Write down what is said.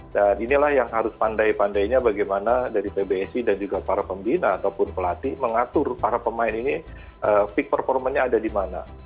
dan inilah yang harus pandai pandainya bagaimana dari pbsi dan juga para pembina ataupun pelatih mengatur para pemain ini peak performanya ada di mana